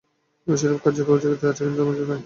অবশ্য এরূপ কার্যের উপযোগিতা আছে, কিন্তু ধর্মরাজ্যে নয়।